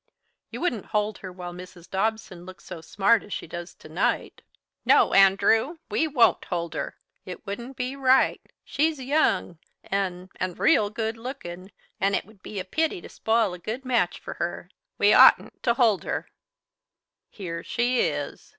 You wouldn't hold her while Mrs. Dobson looks so smart as she does to night " "No, Andrew, we won't hold her. It wouldn't be right. She's young and and real good lookin', and it would be a pity to spile a good match for her. We oughtn't to hold her here she is.